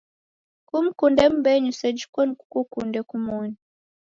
Kumkunde mbenyu seji koni kukukunde kumoni.